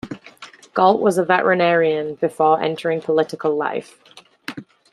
Galt was a veterinarian before entering political life.